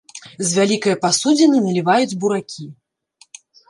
З вялікае пасудзіны наліваюць буракі.